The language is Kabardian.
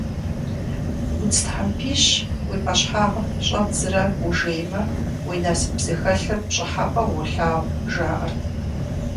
Удз тхьэмпищ уи пӀащхьэгъым щӀэбдзрэ ужеймэ, уи насып зыхэлъыр пщӀыхьэпӀэу уолъагъу, жаӀэрт.